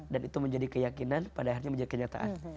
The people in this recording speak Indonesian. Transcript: dan itu menjadi keyakinan pada akhirnya menjadi kenyataan